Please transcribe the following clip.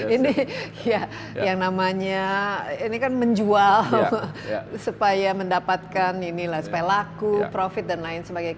ini ya yang namanya ini kan menjual supaya mendapatkan inilah supaya laku profit dan lain sebagainya